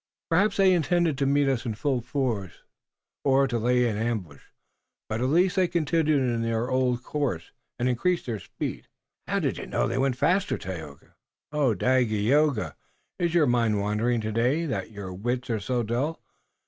Perhaps they intended to meet us in full face or to lay an ambush, but at last they continued in their old course and increased their speed." "How do you know they went faster, Tayoga?" "O Dagaeoga, is your mind wandering today that your wits are so dull?